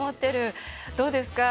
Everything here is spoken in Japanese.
どうですか？